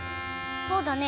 そうだね。